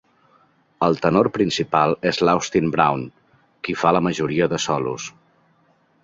El tenor principal és l'Austin Brown, qui fa la majoria de solos.